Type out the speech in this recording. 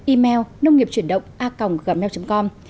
email nông nghiệpchuyểnđộnga gmail com